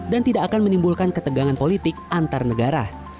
dan tidak akan menimbulkan ketegangan politik antar negara